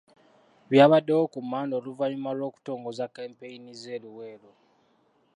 Byabadewo ku Mmande oluvannyuma lw'okutongoza kampeyini ze e Luweero.